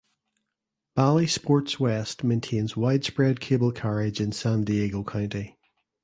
Bally Sports West maintains widespread cable carriage in San Diego County.